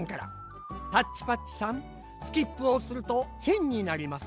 「タッチパッチさんスキップをするとへんになります。